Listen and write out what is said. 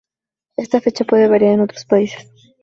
Esta fecha puede variar en otros países.